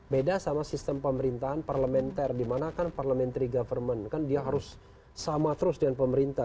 beda sama sistem pemerintahan parlementer dimana kan parliamentary government kan dia harus sama terus dengan pemerintah